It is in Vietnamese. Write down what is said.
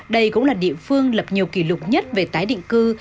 đây cũng là địa phương lập nhiều kỷ lục nhất về tái định cư